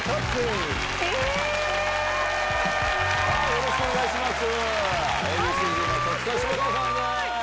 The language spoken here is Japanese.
よろしくお願いします。